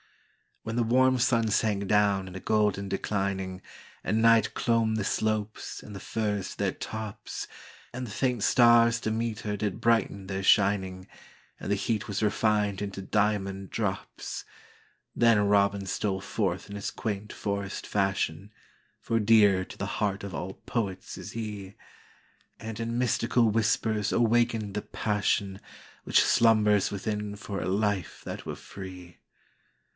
When the warm sun sank down in a golden declining, And night clomb the slopes and the firs to their tops, And the faint stars to meet her did brighten their shining, And the heat was refined into diamond drops; Then Robin stole forth in his quaint forest fashion,—For dear to the heart of all poets is he,—And in mystical whispers awakened the passionWhich slumbers within for a life that were free.